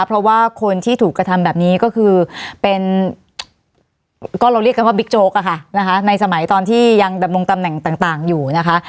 เพราะว่าคนที่ถูกกระทำแบบนี้ก็คือเป็นก็เราเรียกกันว่าบิ๊กโจ๊กอะค่ะนะคะในสมัยตอนที่ยังดำรงตำแหน่งต่างอยู่นะคะ